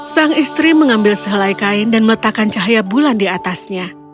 sang istri mengambil sehelai kain dan meletakkan cahaya bulan di atasnya